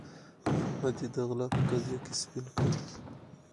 احمد يې د غلا په قضيه کې سپين کړ.